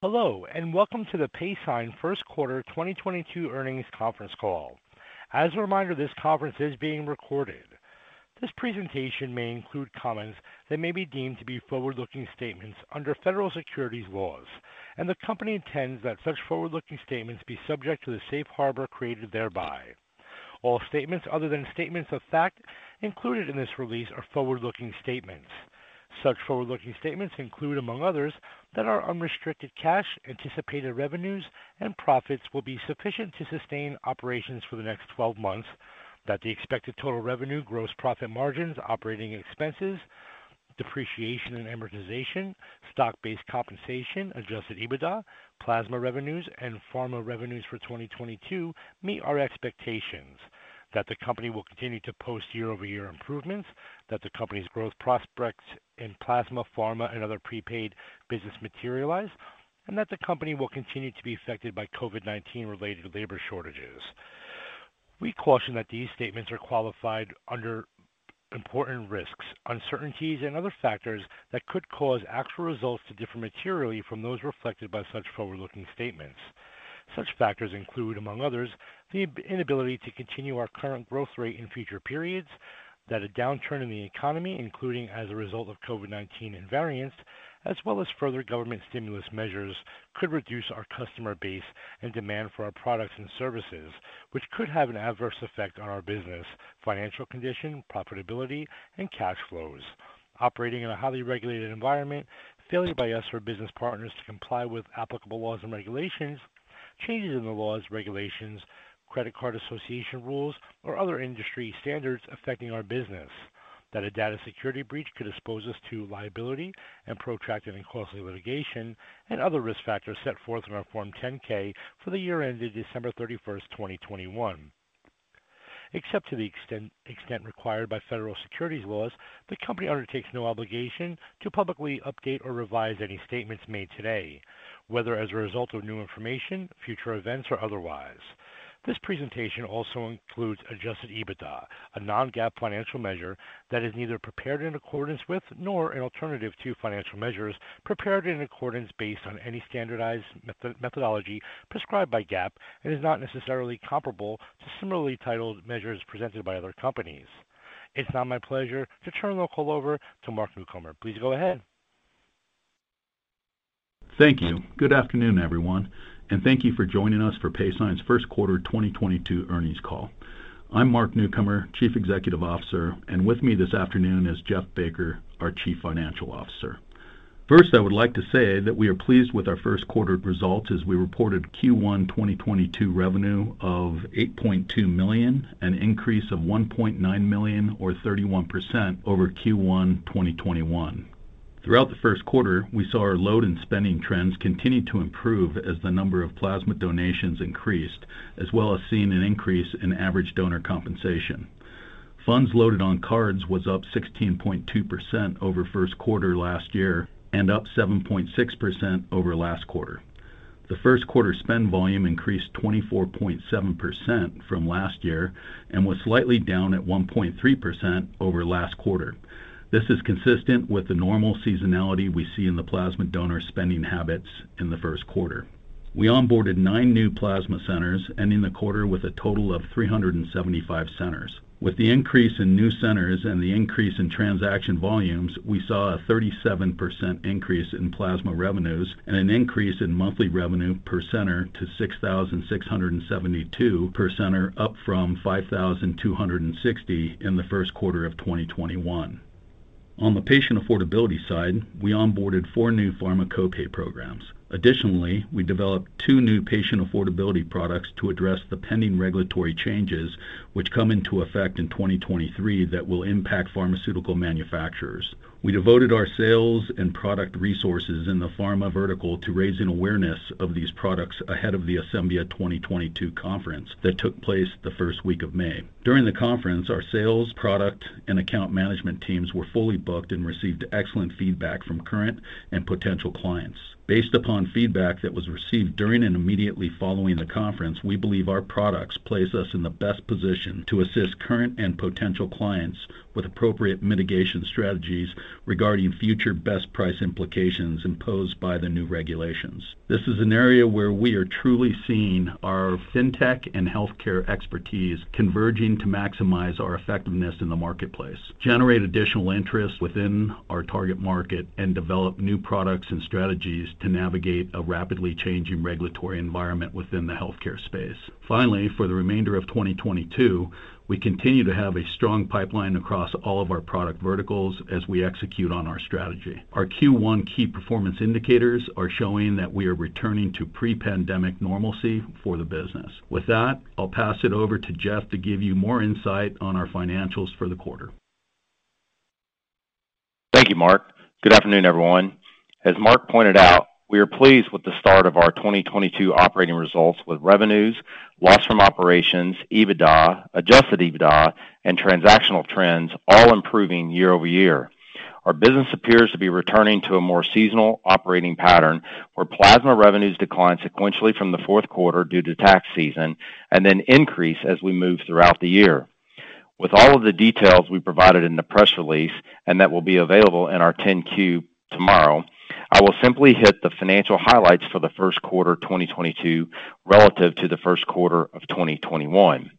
Hello, and welcome to the Paysign First Quarter 2022 Earnings Conference Call. As a reminder, this conference is being recorded. This presentation may include comments that may be deemed to be forward-looking statements under federal securities laws, and the company intends that such forward-looking statements be subject to the safe harbor created thereby. All statements other than statements of fact included in this release are forward-looking statements. Such forward-looking statements include, among others, that our unrestricted cash, anticipated revenues and profits will be sufficient to sustain operations for the next 12 months, that the expected total revenue, gross profit margins, operating expenses, depreciation and amortization, stock-based compensation, adjusted EBITDA, plasma revenues, and pharma revenues for 2022 meet our expectations, that the company will continue to post year-over-year improvements, that the company's growth prospects in plasma, pharma and other prepaid business materialize, and that the company will continue to be affected by COVID-19 related labor shortages. We caution that these statements are qualified under important risks, uncertainties and other factors that could cause actual results to differ materially from those reflected by such forward-looking statements. Such factors include, among others, the inability to continue our current growth rate in future periods, that a downturn in the economy, including as a result of COVID-19 and variants, as well as further government stimulus measures, could reduce our customer base and demand for our products and services, which could have an adverse effect on our business, financial condition, profitability and cash flows. Operating in a highly regulated environment, failure by us or business partners to comply with applicable laws and regulations, changes in the laws, regulations, credit card association rules, or other industry standards affecting our business, that a data security breach could expose us to liability and protracted and costly litigation, and other risk factors set forth in our Form 10-K for the year ended December 31st, 2021. Except to the extent required by federal securities laws, the company undertakes no obligation to publicly update or revise any statements made today, whether as a result of new information, future events or otherwise. This presentation also includes adjusted EBITDA, a non-GAAP financial measure that is neither prepared in accordance with nor an alternative to financial measures prepared in accordance based on any standardized methodology prescribed by GAAP and is not necessarily comparable to similarly titled measures presented by other companies. It's now my pleasure to turn the call over to Mark Newcomer. Please go ahead. Thank you. Good afternoon, everyone, and thank you for joining us for Paysign's first quarter 2022 earnings call. I'm Mark Newcomer, Chief Executive Officer, and with me this afternoon is Jeff Baker, our Chief Financial Officer. First, I would like to say that we are pleased with our first quarter results as we reported Q1 2022 revenue of $8.2 million, an increase of $1.9 million or 31% over Q1 2021. Throughout the first quarter, we saw our load and spending trends continue to improve as the number of plasma donations increased, as well as seeing an increase in average donor compensation. Funds loaded on cards was up 16.2% over first quarter last year and up 7.6% over last quarter. The first quarter spend volume increased 24.7% from last year and was slightly down at 1.3% over last quarter. This is consistent with the normal seasonality we see in the plasma donor spending habits in the first quarter. We onboarded nine new plasma centers, ending the quarter with a total of 375 centers. With the increase in new centers and the increase in transaction volumes, we saw a 37% increase in plasma revenues and an increase in monthly revenue per center to $6,672 per center, up from $5,260 in the first quarter of 2021. On the patient affordability side, we onboarded four new pharma co-pay programs. Additionally, we developed two new patient affordability products to address the pending regulatory changes which come into effect in 2023 that will impact pharmaceutical manufacturers. We devoted our sales and product resources in the pharma vertical to raising awareness of these products ahead of the Asembia 2022 conference that took place the first week of May. During the conference, our sales, product, and account management teams were fully booked and received excellent feedback from current and potential clients. Based upon feedback that was received during and immediately following the conference, we believe our products place us in the best position to assist current and potential clients with appropriate mitigation strategies regarding future Best Price implications imposed by the new regulations. This is an area where we are truly seeing our fintech and healthcare expertise converging to maximize our effectiveness in the marketplace, generate additional interest within our target market, and develop new products and strategies to navigate a rapidly changing regulatory environment within the healthcare space. Finally, for the remainder of 2022, we continue to have a strong pipeline across all of our product verticals as we execute on our strategy. Our Q1 key performance indicators are showing that we are returning to pre-pandemic normalcy for the business. With that, I'll pass it over to Jeff to give you more insight on our financials for the quarter. Thank you, Mark. Good afternoon, everyone. As Mark pointed out, we are pleased with the start of our 2022 operating results with revenues, loss from operations, EBITDA, adjusted EBITDA and transactional trends all improving year-over-year. Our business appears to be returning to a more seasonal operating pattern where plasma revenues decline sequentially from the fourth quarter due to tax season and then increase as we move throughout the year. With all of the details we provided in the press release and that will be available in our 10-Q tomorrow, I will simply hit the financial highlights for the first quarter 2022 relative to the first quarter of 2021.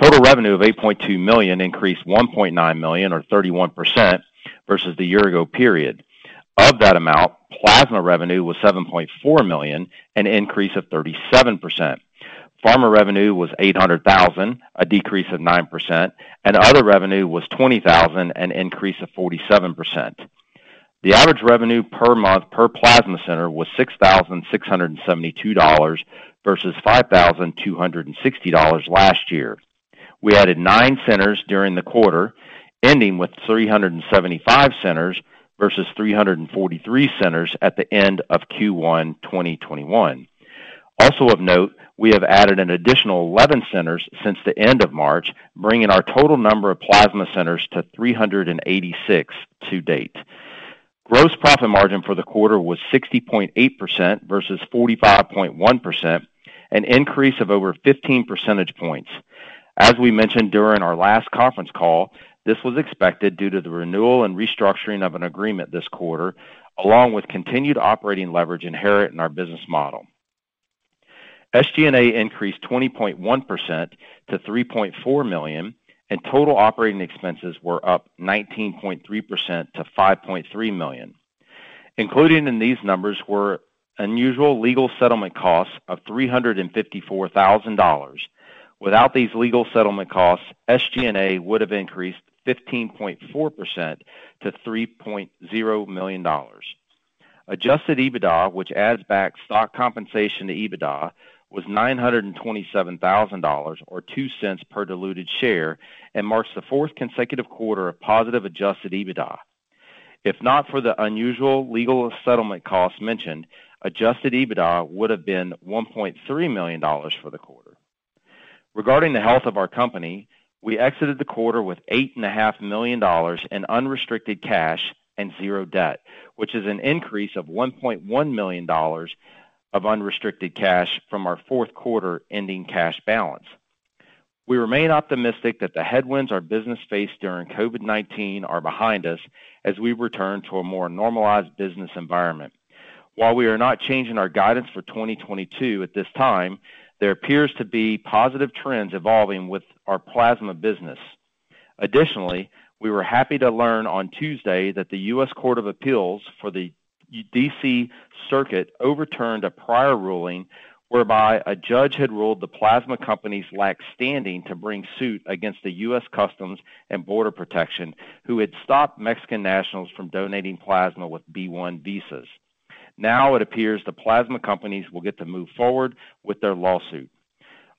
Total revenue of $8.2 million increased $1.9 million or 31% versus the year ago period. Of that amount, plasma revenue was $7.4 million, an increase of 37%. Pharma revenue was $800,000, a decrease of 9% and other revenue was $20,000, an increase of 47%. The average revenue per month per plasma center was $6,672 versus $5,260 last year. We added nine centers during the quarter, ending with 375 centers versus 343 centers at the end of Q1 2021. Also of note, we have added an additional 11 centers since the end of March, bringing our total number of plasma centers to 386 to date. Gross profit margin for the quarter was 60.8% versus 45.1%, an increase of over 15 percentage points. As we mentioned during our last conference call, this was expected due to the renewal and restructuring of an agreement this quarter, along with continued operating leverage inherent in our business model. SG&A increased 20.1% to $3.4 million, and total operating expenses were up 19.3% to $5.3 million. Including in these numbers were unusual legal settlement costs of $354,000. Without these legal settlement costs, SG&A would have increased 15.4% to $3.0 million. Adjusted EBITDA, which adds back stock compensation to EBITDA, was $927,000 or $0.02 per diluted share, and marks the fourth consecutive quarter of positive adjusted EBITDA. If not for the unusual legal settlement costs mentioned, adjusted EBITDA would have been $1.3 million for the quarter. Regarding the health of our company, we exited the quarter with $8.5 million in unrestricted cash and zero debt, which is an increase of $1.1 million of unrestricted cash from our fourth quarter ending cash balance. We remain optimistic that the headwinds our business faced during COVID-19 are behind us as we return to a more normalized business environment. While we are not changing our guidance for 2022 at this time, there appears to be positive trends evolving with our plasma business. Additionally, we were happy to learn on Tuesday that the US Court of Appeals for the DC Circuit overturned a prior ruling whereby a judge had ruled the plasma companies lacked standing to bring suit against the US Customs and Border Protection, who had stopped Mexican nationals from donating plasma with B1 visas. Now it appears the plasma companies will get to move forward with their lawsuit.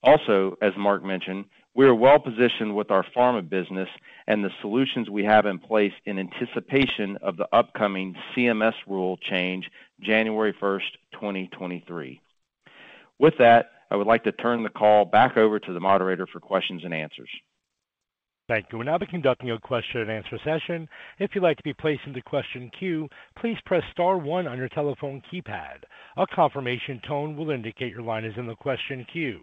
Also, as Mark mentioned, we are well positioned with our pharma business and the solutions we have in place in anticipation of the upcoming CMS rule change January 1, 2023. With that, I would like to turn the call back over to the moderator for questions and answers. Thank you. We'll now be conducting a question and answer session. If you'd like to be placed into question queue, please press star one on your telephone keypad. A confirmation tone will indicate your line is in the question queue.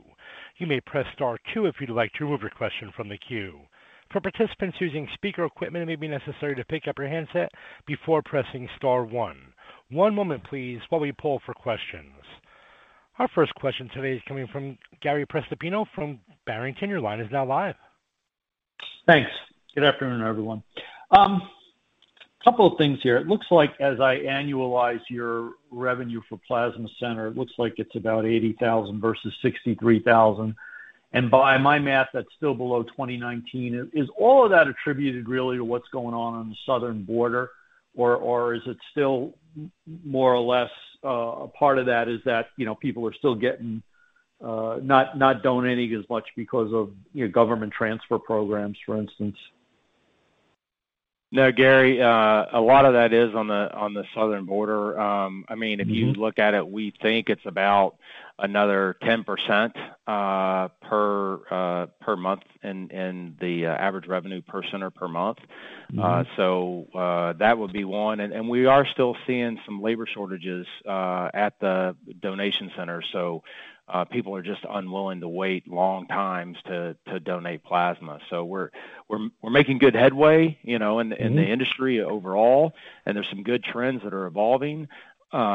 You may press star two if you'd like to remove your question from the queue. For participants using speaker equipment, it may be necessary to pick up your handset before pressing star one. One moment please while we pull for questions. Our first question today is coming from Gary Prestopino from Barrington. Your line is now live. Thanks. Good afternoon, everyone. Couple of things here. It looks like as I annualize your revenue for Plasma Center, it looks like it's about $80,000 versus $63,000, and by my math, that's still below 2019. Is all of that attributed really to what's going on on the southern border or is it still more or less a part of that is that people are still not donating as much because of government transfer programs, for instance? No, Gary, a lot of that is on the southern border. I mean, if you look at it, we think it's about another 10% per month in the average revenue per center per month. Mm-hmm. That would be one. We are still seeing some labor shortages at the donation center, so people are just unwilling to wait long times to donate plasma. We're making good headway, you know. Mm-hmm. In the industry overall, and there's some good trends that are evolving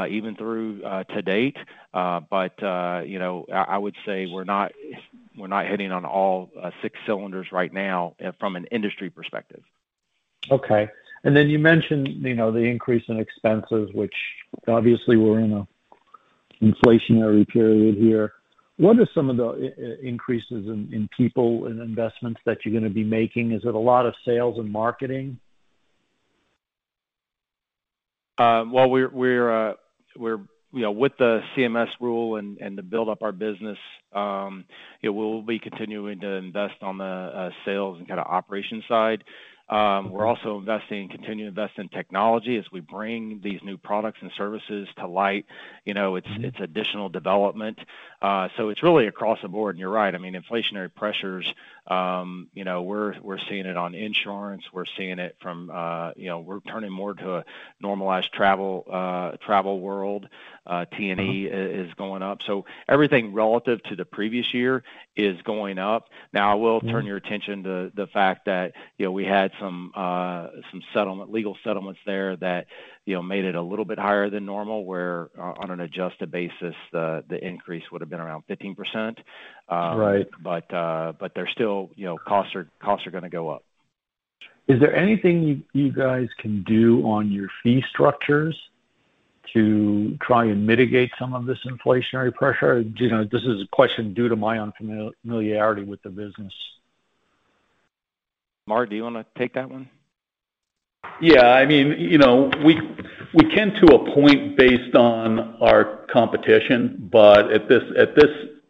even through to date. You know, I would say we're not hitting on all six cylinders right now from an industry perspective. Okay. You mentioned, you know, the increase in expenses, which obviously we're in an inflationary period here. What are some of the increases in people and investments that you're gonna be making? Is it a lot of sales and marketing? Well, you know, with the CMS rule and to build up our business, yeah, we'll be continuing to invest on the sales and kinda operation side. We're continuing to invest in technology as we bring these new products and services to light. You know, it's additional development. It's really across the board. You're right, I mean, inflationary pressures, you know, we're seeing it on insurance. We're seeing it from, you know, we're turning more to a normalized travel world. T&E is going up. Everything relative to the previous year is going up. Now, I will turn your attention to the fact that, you know, we had some legal settlements there that, you know, made it a little bit higher than normal. Year-on an adjusted basis, the increase would have been around 15%. Right. there's still, you know, costs are gonna go up. Is there anything you guys can do on your fee structures to try and mitigate some of this inflationary pressure? You know, this is a question due to my unfamiliarity with the business. Mark, do you wanna take that one? Yeah. I mean, you know, we can, to a point based on our competition, but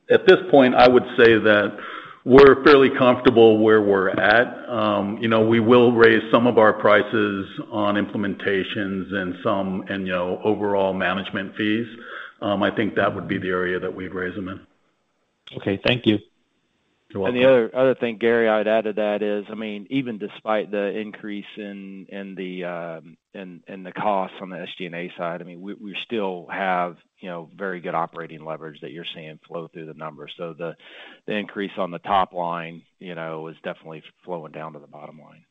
at this point, I would say that we're fairly comfortable where we're at. You know, we will raise some of our prices on implementations and some and, you know, overall management fees. I think that would be the area that we'd raise them in. Okay. Thank you. You're welcome. The other thing, Gary, I'd add to that is, I mean, even despite the increase in the costs on the SG&A side, I mean, we still have, you know, very good operating leverage that you're seeing flow through the numbers. The increase on the top line, you know, is definitely flowing down to the bottom line.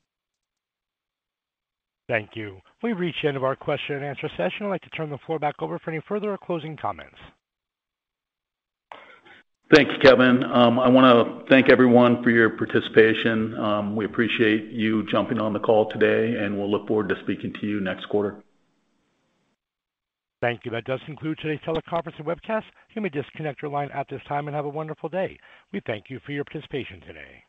Thank you. We've reached the end of our question and answer session. I'd like to turn the floor back over for any further closing comments. Thanks, Kevin. I wanna thank everyone for your participation. We appreciate you jumping on the call today, and we'll look forward to speaking to you next quarter. Thank you. That does conclude today's teleconference and webcast. You may disconnect your line at this time and have a wonderful day. We thank you for your participation today.